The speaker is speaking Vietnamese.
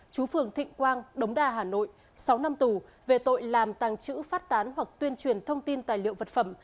chú phường thịnh quang đống đa hà nội sáu năm tù về tội làm tàng trữ phát tán hoặc tuyên truyền thông tin tài liệu vật phẩm